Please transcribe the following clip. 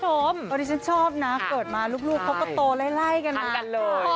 ตอนนี้ฉันชอบนะเกิดมาลูกเขาก็โตไล่กันนะ